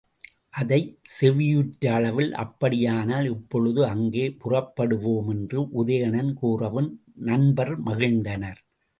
அதைச் செவியுற்ற அளவில், அப்படியானால் இப்பொழுதே அங்கே புறப்படுவோம் என்று உதயணன் கூறவும் நண்பர் மகிழ்ந்தனர்.